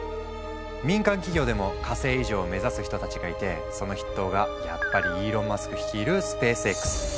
民間企業でも火星移住を目指す人たちがいてその筆頭がやっぱりイーロン・マスク率いるスペースＸ。